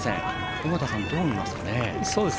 尾方さん、どう見ますか。